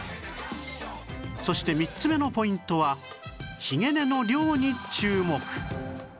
そして３つ目のポイントはひげ根の量に注目